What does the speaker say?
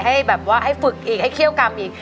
ให้ฝึกอีกให้เคี่ยวกรรมอีก